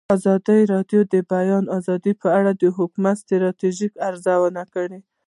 ازادي راډیو د د بیان آزادي په اړه د حکومتي ستراتیژۍ ارزونه کړې.